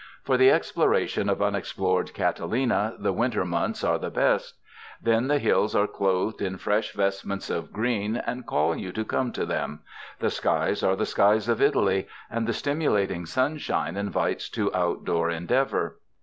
For the exploration of unexplored Catalina, the winter months are the best. Then the hills are clothed in fresh vestments of green and call you to come to them; the skies are the skies of Italy; and the stimulating sunshine invites to outdoor en deavor.